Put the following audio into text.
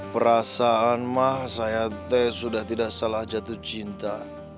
perasaan mah saya teh sudah tidak salah jatuh cinta